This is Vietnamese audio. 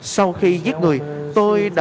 sau khi giết người tôi đã